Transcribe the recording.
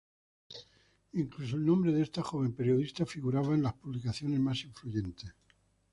Incluso el nombre de esta joven periodista figuraba en las publicaciones más influyentes.